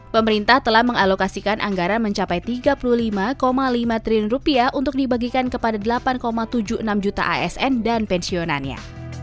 pemerintah telah mengalokasikan anggaran mencapai rp tiga puluh lima lima triliun untuk dibagikan kepada delapan tujuh puluh enam juta asn dan pensiunannya